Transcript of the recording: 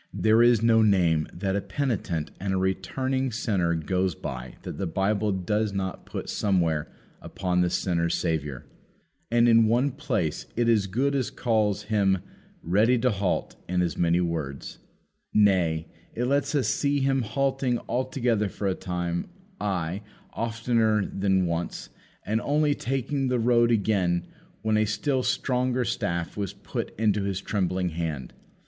There is no name that a penitent and a returning sinner goes by that the Bible does not put somewhere upon the sinner's Saviour. And in one place it as good as calls Him Ready to halt in as many words. Nay, it lets us see Him halting altogether for a time; ay, oftener than once; and only taking the road again, when a still stronger staff was put into his trembling hand.